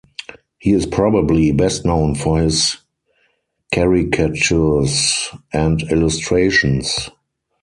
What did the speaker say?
He is probably best known for his caricatures and illustrations.